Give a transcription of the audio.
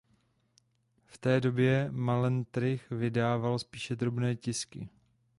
V té době Melantrich vydával spíše drobné tisky.